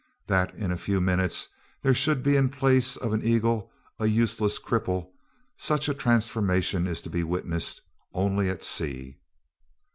That in a few minutes there should be in place of an eagle a useless cripple, such a transformation is to be witnessed only at sea.